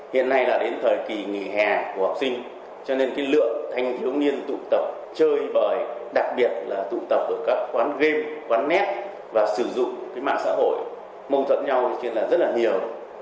hiện nay là đến thời kỳ nghỉ hè của học sinh cho nên cái lượng thanh thiếu niên tụ tập chơi bởi đặc biệt là tụ tập ở các quán game quán net và sử dụng cái mạng xã hội mông thuận nhau trên là rất là nhiều